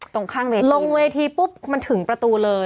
ตรงข้างเวทีลงเวทีปุ๊บมันถึงประตูเลย